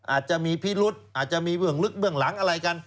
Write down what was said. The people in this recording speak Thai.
อาจจะมีพิรุษอาจจะมีเวลาลึกเวลาหลังอะไรกัน